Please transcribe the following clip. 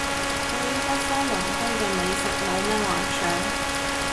對於北方鄰居嘅美食冇咩幻想